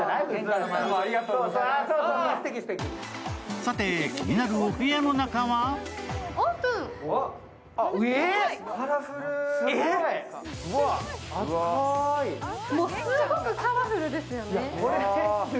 さて、気になるお部屋の中はもう、すごくカラフルですよね。